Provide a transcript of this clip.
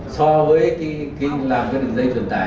so với khi làm cái đường dây truyền tải